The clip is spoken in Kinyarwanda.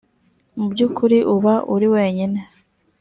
mu by’ukuri uba uri wenyine